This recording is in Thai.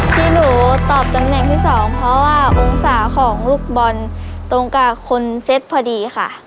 ที่หนูตอบตำแหน่งที่๒เพราะว่าองศาของลูกบอลตรงกับคนเซ็ตพอดีค่ะ